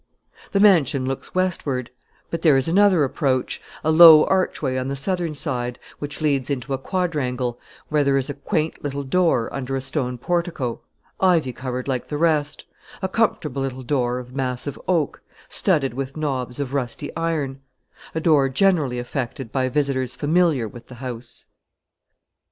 The mansion looks westward: but there is another approach, a low archway on the southern side, which leads into a quadrangle, where there is a quaint little door under a stone portico, ivy covered like the rest; a comfortable little door of massive oak, studded with knobs of rusty iron, a door generally affected by visitors familiar with the house.